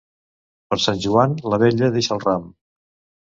Per Sant Joan la vella deixa el ram.